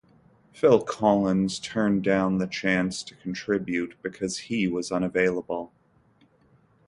Phil Collins turned down the chance to contribute because he was unavailable.